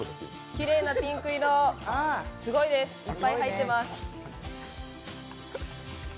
きれいなピンク色、すごいです、いっぱい入っています。